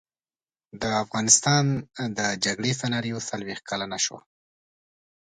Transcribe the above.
د افغانستان جګړې سناریو څلویښت کلنه کړه.